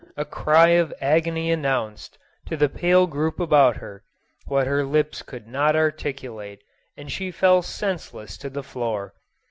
A cry of agony announced, to the pale group about her, what her lips could not articulate, and she fell senseless to the floor.